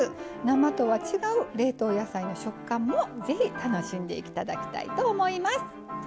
生とは違う冷凍野菜の食感もぜひ楽しんで頂きたいと思います。